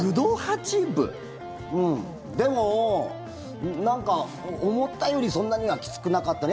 でも、なんか思ったよりそんなにはきつくなかった。